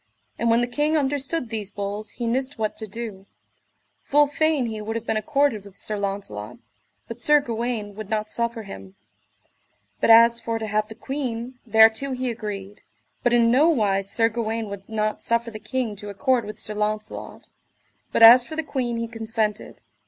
And when the king understood these bulls he nist what to do: full fain he would have been accorded with Sir Launcelot, but Sir Gawaine would not suffer him; but as for to have the queen, thereto he agreed. But in nowise Sir Gawaine would not suffer the king to accord with Sir Launcelot; but as for the queen he consented.